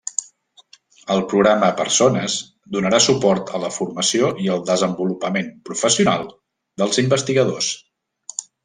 El programa Persones donarà suport a la formació i el desenvolupament professional dels investigadors.